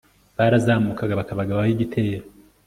barazamukaga bakabagabaho igitero